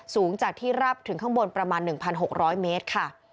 สูงจากที่รับถึงข้างบนประมาณหนึ่งพันหกร้อยเมตรค่ะ